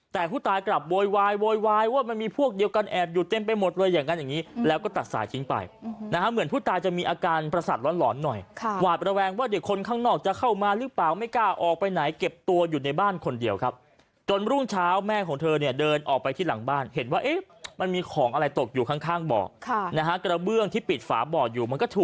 แต่ผู้ตายกลับโวยวายโวยวายว่ามันมีพวกเดียวกันแอบอยู่เต็มไปหมดเลย